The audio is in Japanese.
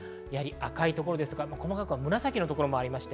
赤いところですとか、細かく紫のところもあります。